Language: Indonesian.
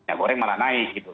minyak goreng malah naik gitu